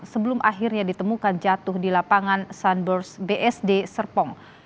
sebelum akhirnya ditemukan jatuh di lapangan sunburst bsd serpong